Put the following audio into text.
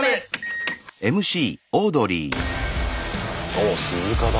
おっ鈴鹿だ。